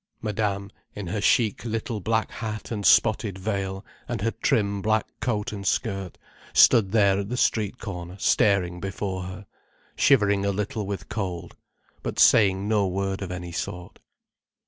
Madame, in her chic little black hat and spotted veil, and her trim black coat and skirt, stood there at the street corner staring before her, shivering a little with cold, but saying no word of any sort.